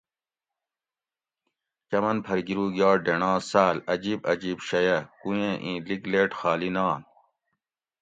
چمن پھر گِرُوگ یا ڈینڈاں ساۤل اجیب اجیب شئ اۤ کویٔیں ایں لِگ لیٹ خالی نأن